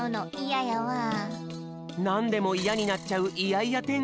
なんでもイヤになっちゃうイヤイヤテングさん。